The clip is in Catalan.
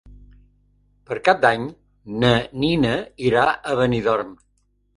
Per Cap d'Any na Nina irà a Benidorm.